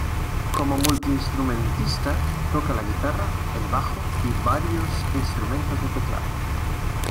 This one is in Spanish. Como multi-instrumentista, toca la guitarra, el bajo y varios instrumentos de teclado.